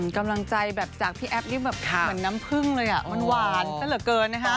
กำลังใจจากพี่แอฟนี่เหมือนน้ำพึ่งเลยมันหวานเต็มเหลือเกินนะคะ